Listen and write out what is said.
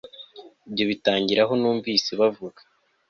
Ibyo bitangirira aho Numvise bavuga